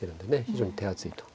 非常に手厚いと。